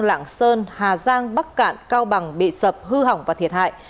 lạng sơn hà giang bắc cạn cao bằng bị sập hư hỏng và thiệt hại